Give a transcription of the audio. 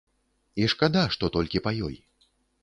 І шкада, што толькі па ёй.